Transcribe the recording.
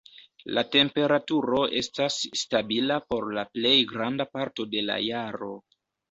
La temperaturo estas stabila por la plej granda parto de la jaro.